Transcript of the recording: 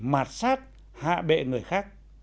mạt sát hạ bệ người khác